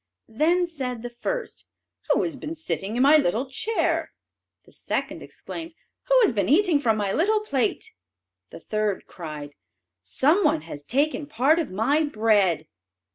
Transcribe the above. Then said the first, "Who has been sitting in my little chair?" The second exclaimed, "Who has been eating from my little plate?" The third cried, "Some one has taken part of my bread."